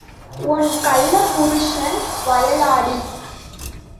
One கள்ளப் புருஷன் வயலாடி?